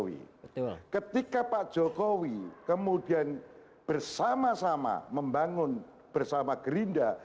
ketika pak jokowi kemudian bersama sama membangun bersama gerindra